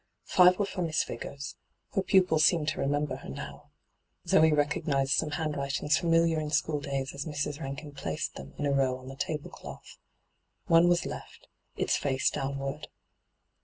Five were for Miss Vigors ; her pupils seemed to re member her now — Zoe recognised some hand writings familiar in school days as Mrs. Bankin placed them in a row on the table cloth. One was left, its fiu:e downward.